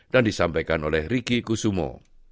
dan disampaikan oleh ricky kusumo